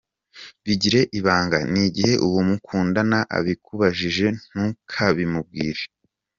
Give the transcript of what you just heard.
Bigire ibanga, n’igihe uwo mukundana abikubajije ntukabimubwire.